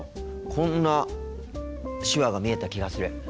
こんな手話が見えた気がする。